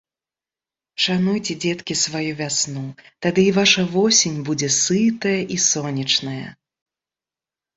Шануйце, дзеткі, сваю вясну, тады і ваша восень будзе сытая і сонечная.